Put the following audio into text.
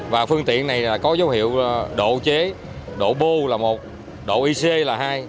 và phương tiện này có dấu hiệu đồ chế đồ bô là một đồ ic là hai